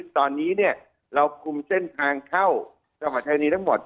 ตอนนี้เราคุมเส้นทางเข้าจังหวัดชายนีทั้งหมด